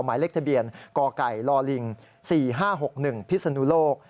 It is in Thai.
หมายเลขทะเบียนกไก่ลิง๔๕๖๑พิศนุโลก